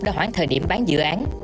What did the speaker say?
đã hoãn thời điểm bán dự án